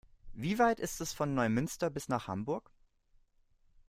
Wie weit ist es von Neumünster bis nach Hamburg?